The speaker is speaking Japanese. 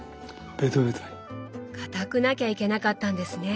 かたくなきゃいけなかったんですね！